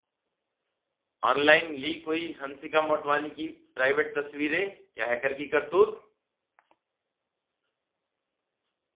Online leak हुईं हंसिका मोटवानी की private तस्वीरें, क्या हैकर्स की करतूत?